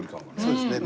そうですね。